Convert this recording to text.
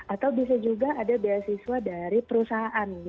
atau bisa juga ada beasiswa dari perusahaan